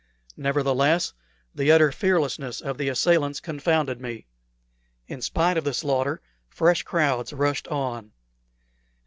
Nevertheless, the utter fearlessness of the assailants confounded me. In spite of the slaughter, fresh crowds rushed on.